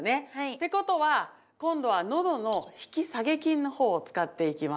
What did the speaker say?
てことは今度は喉の引き下げ筋のほうを使っていきます。